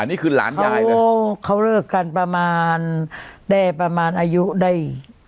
นี่คือหลานยายนะโอ้เขาเลิกกันประมาณได้ประมาณอายุได้